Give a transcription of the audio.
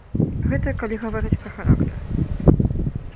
Гэта калі гаварыць пра характар.